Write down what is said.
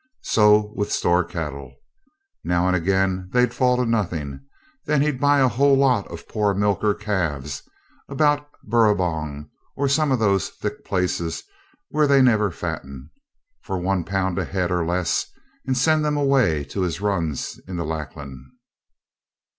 So with store cattle. Now and again they'd fall to nothing. Then he'd buy a whole lot of poor milkers' calves about Burrangong, or some of those thick places where they never fattened, for 1 Pound a head or less, and send them away to his runs in the Lachlan.